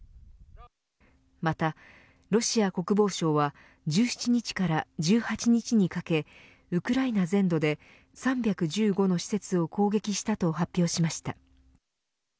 またロシア国防省は１７日から１８日にかけウクライナ全土で３１５の施設を攻撃したと発表しました。